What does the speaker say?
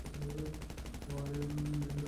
Warden দেখার আগে ভেতরে চলো।